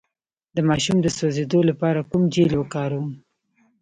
د ماشوم د سوځیدو لپاره کوم جیل وکاروم؟